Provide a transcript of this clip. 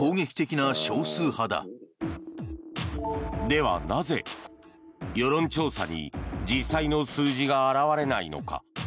では、なぜ世論調査に実際の数字が表れないのか。